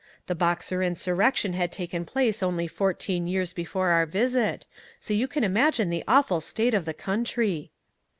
The Boxer insurrection had taken place only fourteen years before our visit, so you can imagine the awful state of the country.